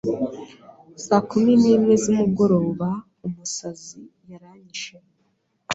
Saa kumi n'imwe z'umugoroba, umusazi yaranyishe